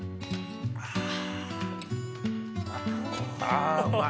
あうまい。